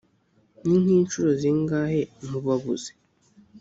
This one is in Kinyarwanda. ni nk’incuro zingahe mubabuze‽